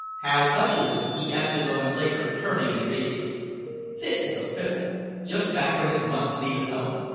"How's Hutcheson?" he asked a moment later, turning and facing me. "Fit as a fiddle. Just back from his month's leave at home.